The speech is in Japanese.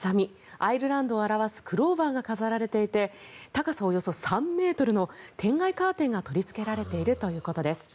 アイルランドを表すクローバーが飾られていて高さおよそ３ｍの天蓋カーテンが取りつけられているということです。